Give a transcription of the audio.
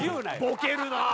ボケるなあ。